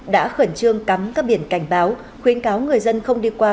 đã khẩn trương cắm các biển cảnh báo khuyến cáo người dân không đi qua